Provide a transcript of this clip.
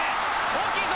大きいぞ！